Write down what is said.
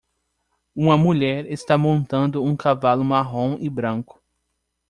Uma mulher está montando um cavalo marrom e branco.